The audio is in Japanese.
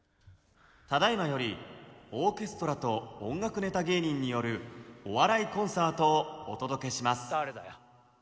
「ただいまよりオーケストラと音楽ネタ芸人によるお笑いコンサートをお届けします」。